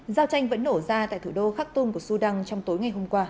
giao tranh vẫn nổ ra tại thủ đô khắc tung của sudan trong tối ngày hôm qua